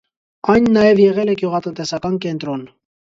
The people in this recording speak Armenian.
Այն նաև եղել է գյուղատնտեսական կենտրոն։